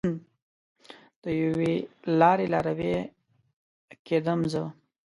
د یوې لارې لاروی کیدم زه